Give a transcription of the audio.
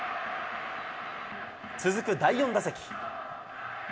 続く第４打席。